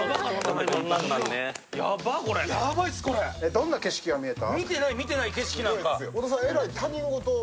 どんな景色が見えた？